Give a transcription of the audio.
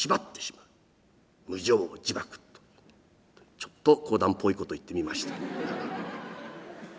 ちょっと講談っぽいこと言ってみました。